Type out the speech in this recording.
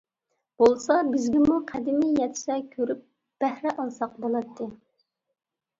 بولسا بىزگىمۇ قەدىمى يەتسە، كۆرۈپ بەھرە ئالساق بولاتتى.